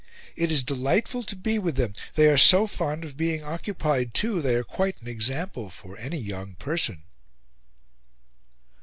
It is delightful to be with them; they are so fond of being occupied too; they are quite an example for any young person."